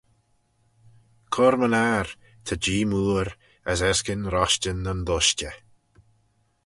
Cur-my-ner, ta Jee mooar, as erskyn roshtyn nyn dushtey.